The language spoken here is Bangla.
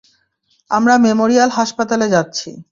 আমরা মেমোরিয়াল হাসপাতালে যাচ্ছি।